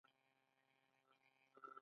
هغه د هند ملي سرود لیکلی.